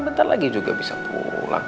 bentar lagi juga bisa pulang